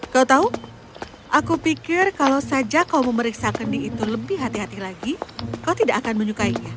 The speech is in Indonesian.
kau tahu aku pikir kalau saja kau memeriksa kendi itu lebih hati hati lagi kau tidak akan menyukainya